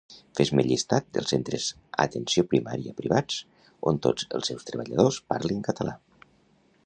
Fes-me llistat dels Centres Atenció Primària Privats on tots els seus treballadors parlin català